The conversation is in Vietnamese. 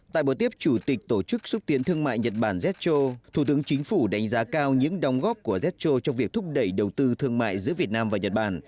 tại buổi tiếp chủ tịch tổ chức xúc tiến thương mại nhật bản zcho thủ tướng chính phủ đánh giá cao những đóng góp của zcho trong việc thúc đẩy đầu tư thương mại giữa việt nam và nhật bản